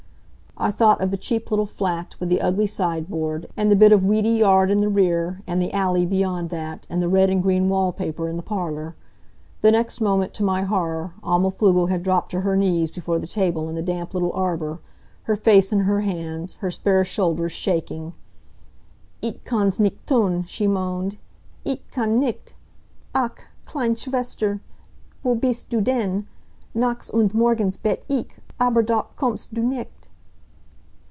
I thought of the cheap little flat, with the ugly sideboard, and the bit of weedy yard in the rear, and the alley beyond that, and the red and green wall paper in the parlor. The next moment, to my horror, Alma Pflugel had dropped to her knees before the table in the damp little arbor, her face in her hands, her spare shoulders shaking. "Ich kann's nicht thun!" she moaned. "Ich kann nicht! Ach, kleine Schwester, wo bist du denn! Nachts und Morgens bete ich, aber doch kommst du nicht."